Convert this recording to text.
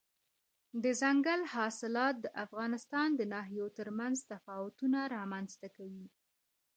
دځنګل حاصلات د افغانستان د ناحیو ترمنځ تفاوتونه رامنځ ته کوي.